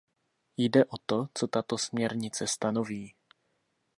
Jde o to, co tato směrnice stanoví.